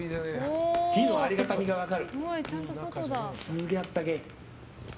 木のありがたみが分かる。